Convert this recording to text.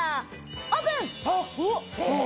オープン！え！